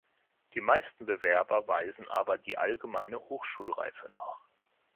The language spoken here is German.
Die meisten Bewerber weisen aber die allgemeine Hochschulreife nach.